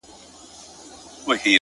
• خو حیرانه یم چي دا دعدل کور دی ,